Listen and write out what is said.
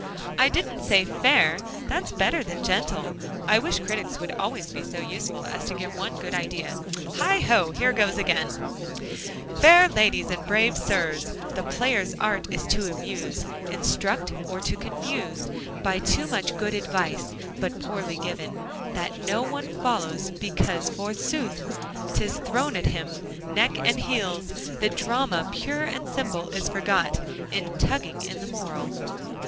"I didn't say 'fair'; that's better than 'gentle.' I wish critics would always be so useful as to give one good idea. Heigho! here goes again: "'Fair ladies and brave sirs, The player's art is to amuse, Instruct, or to confuse By too much good advice, But poorly given: That no one follows, because, forsooth, 'Tis thrown at him, neck and heels. The drama, pure and simple, is forgot In tugging in the moral'"?